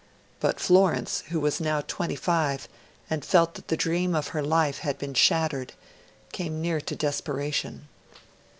But Florence, who was now twenty five and felt that the dream of her life had been shattered, came near to desperation.